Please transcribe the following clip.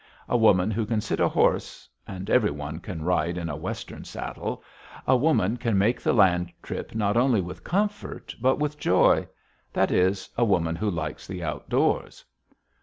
A woman who can sit a horse and every one can ride in a Western saddle a woman can make the land trip not only with comfort but with joy. That is, a woman who likes the outdoors.